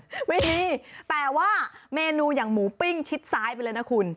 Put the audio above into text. ไม่มีแต่ว่าเมนูอย่างหมูปิ้งชิดซ้ายไปเลยนะคุณ